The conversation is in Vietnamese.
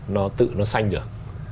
nó tự nó sanh được